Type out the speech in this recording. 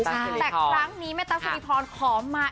แต่ครั้งนี้แม่ตั๊กสุริพรขอมา